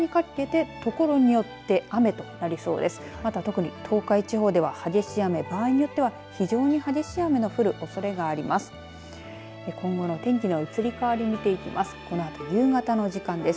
あとは特に東海地方で激しい雨場合によっては非常に激しい雨降るおそれがあります。